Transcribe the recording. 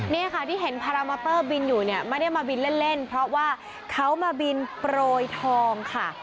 นี่ค่ะที่เห็นพารามอเตอร์บินอยู่เนี่ยไม่ได้มาบินเล่นเพราะว่าเขามาบินโปรยทองค่ะ